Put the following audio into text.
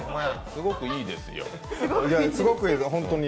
すごくいいですよ。